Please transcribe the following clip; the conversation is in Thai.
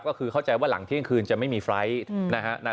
ก็คือเข้าใจว่าหลังเที่ยงคืนจะไม่มีไฟล์ทนะฮะ